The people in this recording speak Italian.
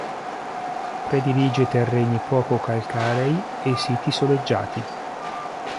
Predilige terreni poco calcarei e siti soleggiati.